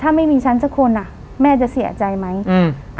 ถ้าไม่มีฉันสักคนอ่ะแม่จะเสียใจไหมอืม